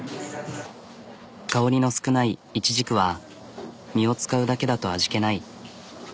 香りの少ないイチジクは実を使うだけだと味気ない。